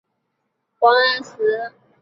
力抵王安石。